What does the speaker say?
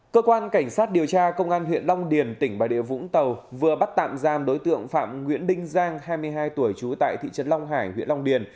cơ quan cảnh sát điều tra công an huyện long điền tỉnh bà địa vũng tàu vừa bắt tạm giam đối tượng phạm nguyễn đinh giang hai mươi hai tuổi trú tại thị trấn long hải huyện long điền